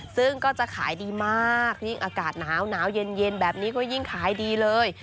ซึ่งก็จะขายดีมากยิ่งอากาศหนาวเย็นแบบนี้ก็ยิ่งขายดีเลย